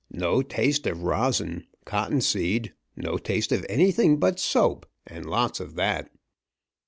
No taste of rosin, cottonseed no taste of anything but soap, and lots of that.